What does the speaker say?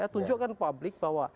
tunjukkan ke publik bahwa